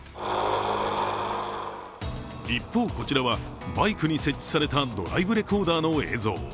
一方、こちらは、バイクに設置されたドライブレコーダーの映像。